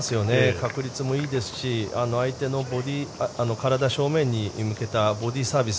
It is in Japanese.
確率もいいですし相手の体正面に向けたボディーサービス